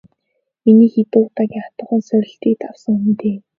Миний хэдэн удаагийн хатуухан сорилтыг давсан хүн дээ.